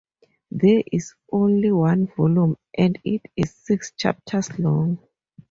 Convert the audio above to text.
There is only one volume and it is six chapters long.